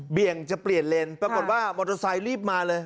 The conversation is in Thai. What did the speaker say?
จะเปลี่ยนเลนปรากฏว่ามอเตอร์ไซค์รีบมาเลย